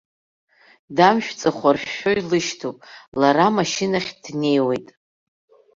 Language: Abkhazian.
Дамшә ҵыхәаршәшәо илышьҭоуп, лара амашьынахь днеиуеит.